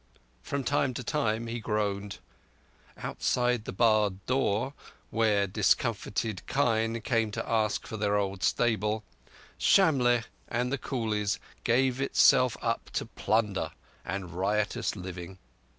From time to time he groaned. Outside the barred door, where discomfited kine came to ask for their old stable, Shamlegh and the coolies gave itself up to plunder and riotous living.